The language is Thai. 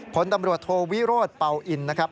ผลตำรวจโทวิโรธเป่าอินนะครับ